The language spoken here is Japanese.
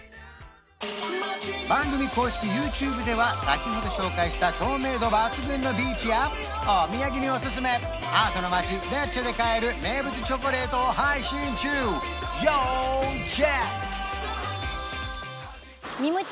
番組公式ＹｏｕＴｕｂｅでは先ほど紹介した透明度抜群のビーチやお土産におすすめアートの街レッチェで買える名物チョコレートを配信中要チェック！